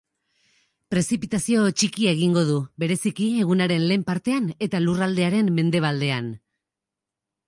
Prezipitazio txikia egingo du, bereziki egunaren lehen partean eta lurraldearen mendebaldean.